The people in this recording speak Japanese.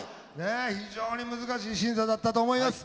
非常に難しい審査だったと思います。